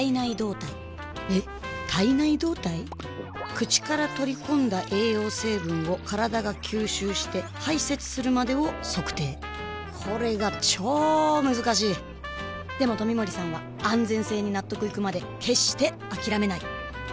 口から取り込んだ栄養成分を体が吸収して排泄するまでを測定これがチョー難しいでも冨森さんは安全性に納得いくまで決してあきらめない！